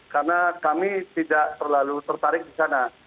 karena kami tidak terlalu tertarik di sana